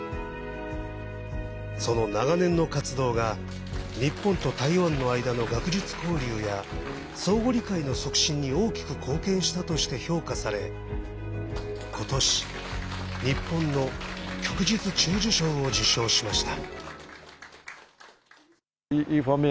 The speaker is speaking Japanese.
その長年の活動が日本と台湾の間の学術交流や相互理解の促進に大きく貢献したとして評価され今年、日本の旭日中綬章を受章しました。